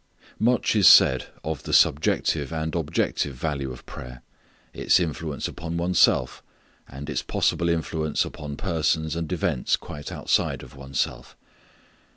Much is said of the subjective and objective value of prayer; its influence upon one's self, and its possible influence upon persons and events quite outside of one's self.